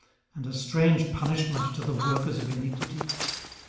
and a strange punishment to the workers of iniquity?